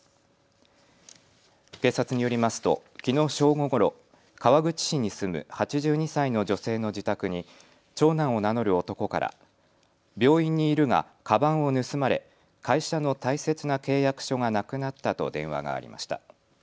警察によりますときのう正午ごろ川口市に住む８２歳の女性の自宅に長男を名乗る男から病院にいるがかばんを盗まれ会社の大切な契約書がなくなったと電話がありました。